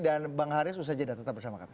dan bang haris usajeda tetap bersama kami